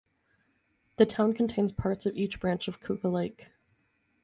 The town contains parts of each branch of Keuka Lake.